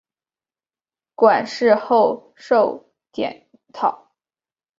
馆试后授检讨。